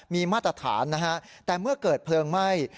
มีมาตรฐานนะฮะแต่เมื่อเกิดเพลิงไหม้